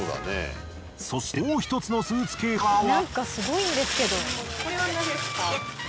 そしてもう１つのスーツケースからは。